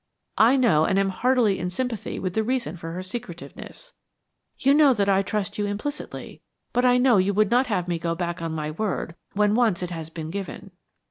I know and am heartily in sympathy with the reason for her secretiveness. You know that I trust you implicitly, but I know you would not have me go back on my word when once it has been given."